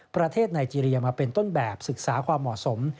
ประเทศไนเจรียมาเป็นต้นแบบศึกษาความเหมาะสม